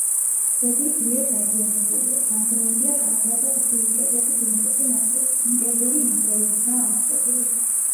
ძეგლი ძლიერ დაზიანებულია: დანგრეულია კამარა და გრძივი კედლების უმეტესი ნაწილი, ინტერიერი ნანგრევებითაა ამოვსებული.